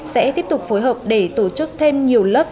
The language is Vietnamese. sẽ tiếp tục phối hợp để tổ chức thêm nhiều lớp